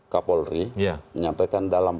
kapolri menyampaikan dalam